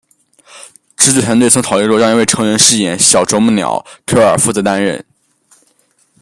制作团队虽曾考虑让一位成人饰演小啄木鸟奎尔负责担任。